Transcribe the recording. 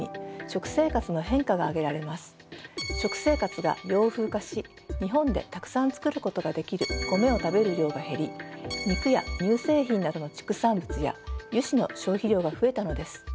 食生活が洋風化し日本でたくさん作ることができる米を食べる量が減り肉や乳製品などの畜産物や油脂の消費量が増えたのです。